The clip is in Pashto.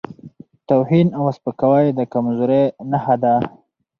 توهین او سپکاوی د کمزورۍ نښه ده.